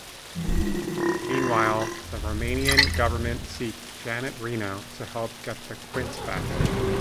Meanwhile, the Romanian government seek Janet Reno to help get the quints back.